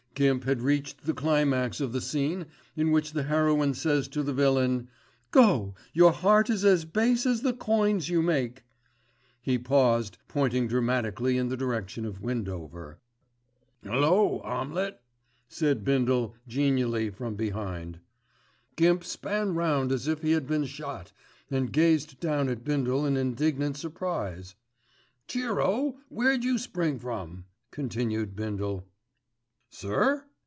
Gimp had reached the climax of the scene in which the heroine says to the villain, "Go! Your heart is as base as the coins you make." He paused, pointing dramatically in the direction of Windover. "'Ullo! 'Amlet," said Bindle genially from behind. Gimp span round as if he had been shot, and gazed down at Bindle in indignant surprise. "Cheero! Where'd you spring from?" continued Bindle. "Sir?"